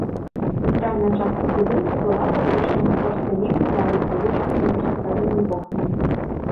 Цэнтральная частка будынка была падвышана за кошт вялікай залі з вылучанымі вертыкальнымі вокнамі.